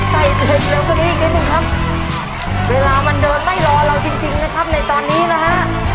ใส่เสร็จเร็วกว่านี้อีกนิดนึงครับเวลามันเดินไม่รอเราจริงจริงนะครับในตอนนี้นะฮะ